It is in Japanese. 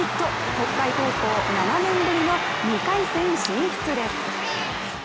北海高校、７年ぶりの２回戦進出です。